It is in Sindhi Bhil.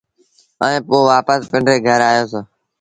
ائيٚݩ پو وآپس پنڊري گھر آيوس۔